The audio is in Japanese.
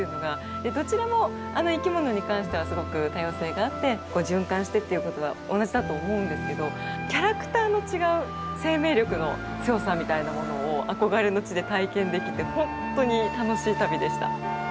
でどちらも生き物に関してはすごく多様性があって循環してっていうことは同じだと思うんですけどキャラクターの違う生命力の強さみたいなものを憧れの地で体験できてほんとに楽しい旅でした。